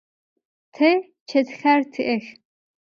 Te çetxer ti'ex.